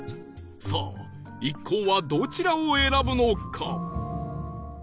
さあ一行はどちらを選ぶのか？